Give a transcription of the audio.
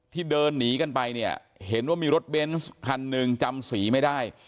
เดินหนีกันไปเนี่ยเห็นว่ามีรถเบนส์คันหนึ่งจำสีไม่ได้